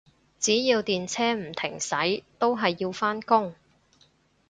只要電車唔停駛，都係要返工